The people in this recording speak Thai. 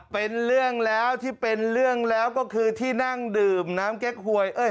เป็นเรื่องแล้วที่เป็นเรื่องแล้วก็คือที่นั่งดื่มน้ำเก๊กหวย